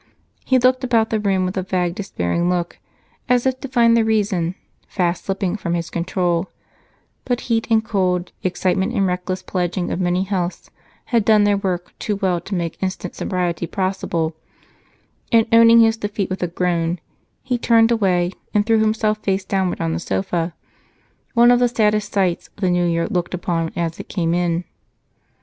He looked about the room with a vague, despairing look, as if to find reason fast slipping from his control, but heat and cold, excitement and reckless pledging of many healths had done their work too well to make instant sobriety possible, and owning his defeat with a groan, he turned away and threw himself face downward on the sofa, one of the saddest sights the new year looked upon as it came in.